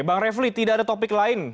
bang refli tidak ada topik lain